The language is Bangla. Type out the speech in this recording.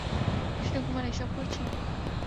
কৃষ্ণা কুমার এসব করছে?